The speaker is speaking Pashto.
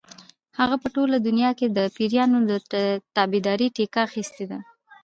هغې په ټوله دنیا کې د پیریانو د تابعدارۍ ټیکه اخیستې ده.